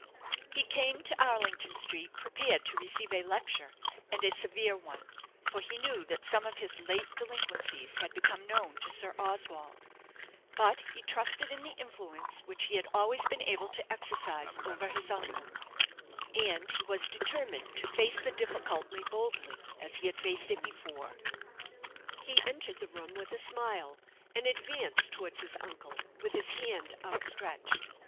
He came to Arlington Street prepared to receive a lecture, and a severe one, for he knew that some of his late delinquencies had become known to Sir Oswald; but he trusted in the influence which he had always been able to exercise over his uncle, and he was determined to face the difficulty boldly, as he had faced it before. He entered the room with a smile, and advanced towards his uncle, with his hand outstretched.